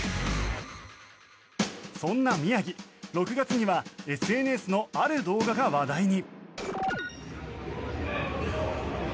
そんな宮城、６月にはＳＮＳのある動画が話題に。